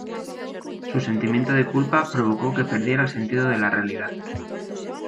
Su sentimiento de culpa provocó que perdiera el sentido de la realidad.